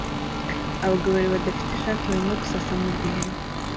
Abagabo babiri badafite ishati barimo gusasa mugihe